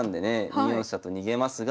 ２四飛車と逃げますが。